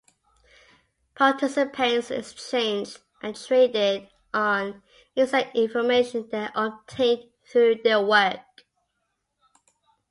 Participants exchanged and traded on inside information they obtained through their work.